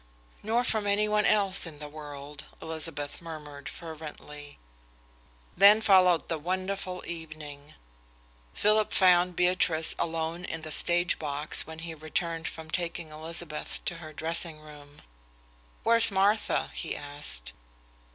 "Nor from any one else in the world," Elizabeth murmured fervently. Then followed the wonderful evening. Philip found Beatrice alone in the stage box when he returned from taking Elizabeth to her dressing room. "Where's Martha?" he asked.